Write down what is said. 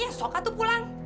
ya sokka tuh pulang